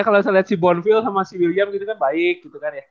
kalau saya lihat si bondfill sama si william gitu kan baik gitu kan ya